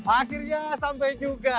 akhirnya sampai juga